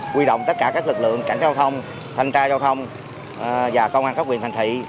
quy động tất cả các lực lượng cảnh giao thông thanh tra giao thông và công an các quyền thành thị